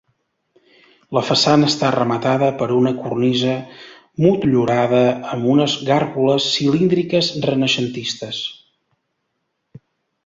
La façana està rematada per una cornisa motllurada amb unes gàrgoles cilíndriques renaixentistes.